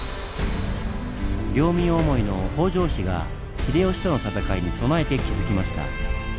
領民思いの北条氏が秀吉との戦いに備えて築きました。